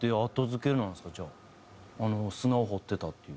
砂を掘ってたっていう。